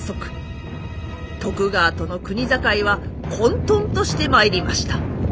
徳川との国境は混沌としてまいりました。